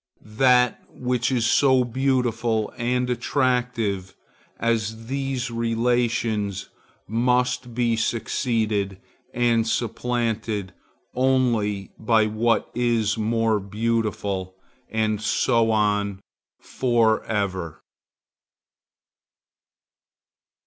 That which is so beautiful and attractive as these relations, must be succeeded and supplanted only by what is more beautiful, and so on for ever.